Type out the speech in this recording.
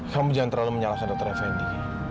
kamu jangan terlalu menyalahkan dr effendi